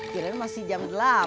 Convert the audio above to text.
kirain masih jam delapan